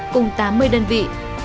cùng tám mươi đơn vị